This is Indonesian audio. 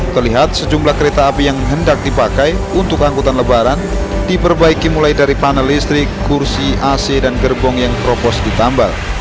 terlihat sejumlah kereta api yang hendak dipakai untuk angkutan lebaran diperbaiki mulai dari panel listrik kursi ac dan gerbong yang terobos ditambal